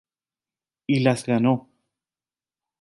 Y las ganó.